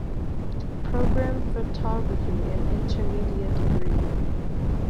Program Photography and Intermedia degree.